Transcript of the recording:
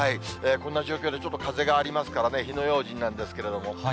こんな状況で、ちょっと風がありますからね、火の用心なんですけれども。